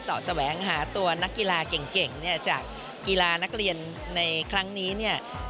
สอดแสวงหาตัวนักกีฬาเก่งจากกีฬานักเรียนในครั้งนี้